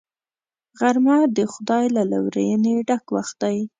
غرمه د خدای له لورینې ډک وخت دی